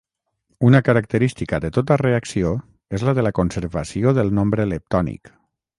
Una característica de tota reacció és la de la conservació del nombre leptònic.